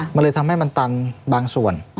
มันเลยทำให้มันตันบางส่วน